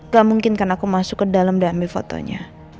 gak mungkin kan aku masuk ke dalam dan ambil fotonya